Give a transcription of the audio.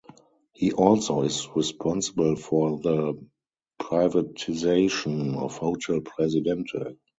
He also is responsible for the privatization of Hotel Presidente.